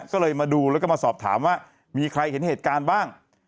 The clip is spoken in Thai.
ก็เลยมาดูแล้วก็มาสอบถามว่ามีใครเห็นเหตุการณ์บ้าง